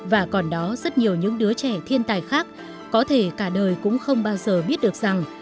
và còn đó rất nhiều những đứa trẻ thiên tài khác có thể cả đời cũng không bao giờ biết được rằng